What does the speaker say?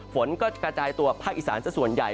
ฝนก็กระจายตัวภาคอีสานสักส่วนใหญ่